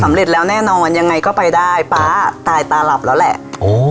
แล้วแน่นอนยังไงก็ไปได้ป๊าตายตาหลับแล้วแหละโอ้